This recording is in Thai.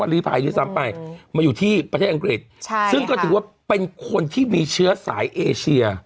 ลีภัยด้วยซ้ำไปมาอยู่ที่ประเทศอังกฤษใช่ซึ่งก็ถือว่าเป็นคนที่มีเชื้อสายเอเชีย